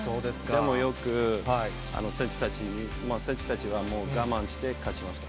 でもよく選手たち、選手たちはもう、我慢して勝ちました。